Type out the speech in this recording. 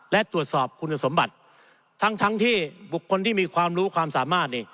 และตรวจสอบคุณสมบัติทั้งที่บุคคลที่มีความรู้ความสามารถนี่